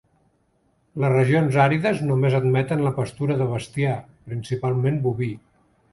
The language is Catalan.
Les regions àrides només admeten la pastura de bestiar, principalment boví.